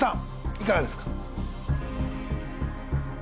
いかがですか？